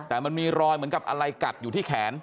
แต่มันมีรอยเหมือนกับอะไรกัดอยู่ที่แขน